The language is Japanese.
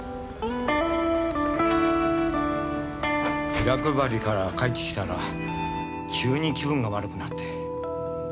ビラ配りから帰ってきたら急に気分が悪くなって。